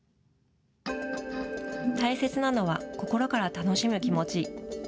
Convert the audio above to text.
大切なのは心から楽しむ気持ち。